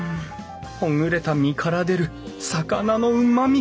ほぐれた身から出る魚のうまみ！